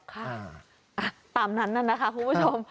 ค่ะตามนั้นน่ะนะคะคุณผู้ชม